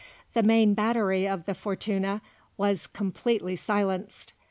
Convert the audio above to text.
The main battery of the Fortuna was completely silenced.